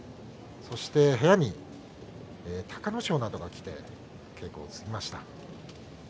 そして部屋に隆の勝などが来て稽古を積みました。